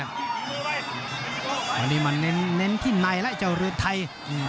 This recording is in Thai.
อันนี้มาเน้นที่ในแล้วไอ้เจ้าเรือไทย